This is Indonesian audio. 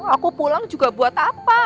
aku pulang juga buat apa